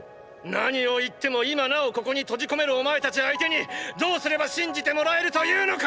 何を言っても今なおここに閉じ込めるお前たち相手にどうすれば信じてもらえると言うのか！！